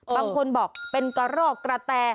บางคนบอกเป็นกระรอกกระแต